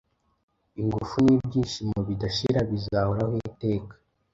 Ingufu nibyishimo bidashira bizahoraho iteka.